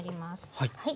はい。